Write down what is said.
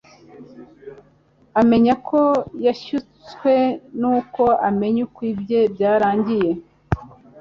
amenya ko yashutswe ni uko amenya ko ibye byarangiye.